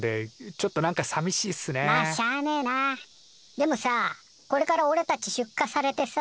でもさこれからおれたちしゅっかされてさ